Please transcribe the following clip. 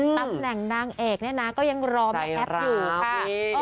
ตำแหน่งนางเอกเนี่ยนะก็ยังรอแม่แอฟอยู่ค่ะ